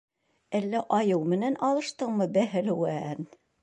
- Әллә айыу менән алыштыңмы, бәһлеүән?